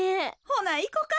ほないこか。